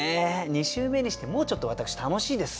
２週目にしてもうちょっと私楽しいです。